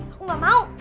aku gak mau